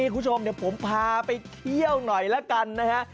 คุณผู้ชมผมพาไปเที่ยวหน่อยแล้วกันนะครับ